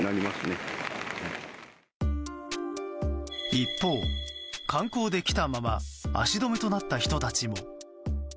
一方、観光で来たまま足止めとなった人たちも。